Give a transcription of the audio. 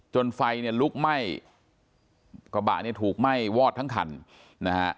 จนไฟลุกไหม้กระบะถูกไหม้วอดทั้งคัน